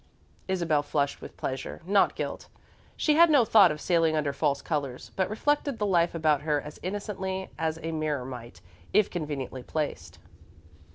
Isabel flushed with pleasure not guilt. She had no thought of sailing under false colours, but reflected the life about her as innocently as a mirror might, if conveniently placed.